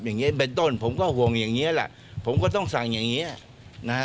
อย่างนี้เบนโต้นผมก็ห่วงอย่างนี้แหละผมก็ต้องสั่งอย่างนี้นะครับ